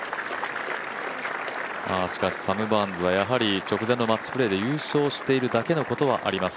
しかしサム・バーンズは直前のマッチプレーで優勝しているだけのことはあります。